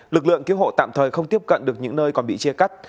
lực lượng cứu hộ tạm thời không tiếp cận được những nơi còn bị chia cắt